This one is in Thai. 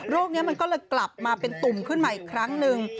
นี้มันก็เลยกลับมาเป็นตุ่มขึ้นมาอีกครั้งหนึ่ง